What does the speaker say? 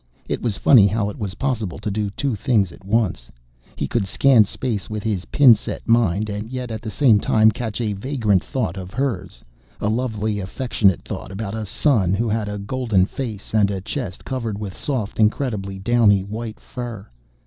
It was funny how it was possible to do two things at once. He could scan space with his pin set mind and yet at the same time catch a vagrant thought of hers, a lovely, affectionate thought about a son who had had a golden face and a chest covered with soft, incredibly downy white fur.